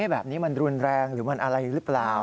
แบบนี้มันรุนแรงหรือมันอะไรหรือเปล่า